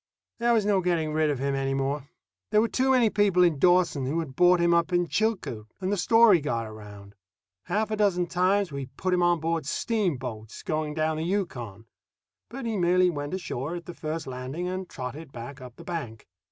There was no getting rid of him any more. There were too many people in Dawson who had bought him up on Chilcoot, and the story got around. Half a dozen times we put him on board steamboats going down the Yukon; but he merely went ashore at the first landing and trotted back up the bank.